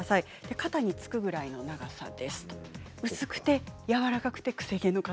肩につくぐらいの長さです。